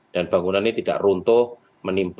dan bangunan ini tidak runtuh menimpa